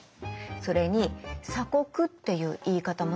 それに「鎖国」っていう言い方もね